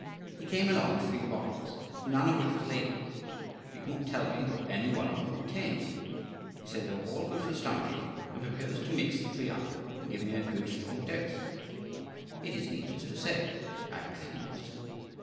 He came along with three bottles, none of which was labelled. He could not tell me what any one of them contained. He said they were all good for stomach ache, and proposed to mix the three up and give me a good, strong dose. It is needless to say I refused.